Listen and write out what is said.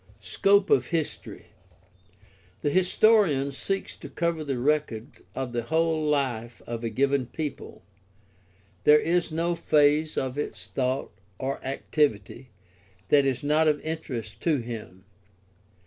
Scope of history. — The historian seeks to cover the record of the whole life of a given people. There is no phase of its thought or activity that is not of interest to him.